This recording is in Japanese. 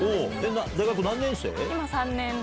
大学何年生？